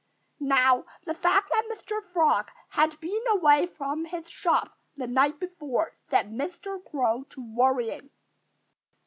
Now, the fact that Mr. Frog had been away from his shop the night before set Mr. Crow to worrying.